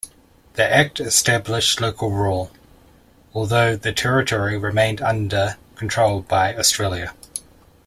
The Act established local rule, although the territory remained under control by Australia.